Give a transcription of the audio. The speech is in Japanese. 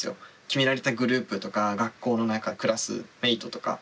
決められたグループとか学校の中クラスメートとか。